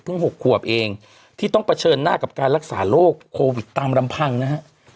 ๖ขวบเองที่ต้องเผชิญหน้ากับการรักษาโรคโควิดตามลำพังนะฮะ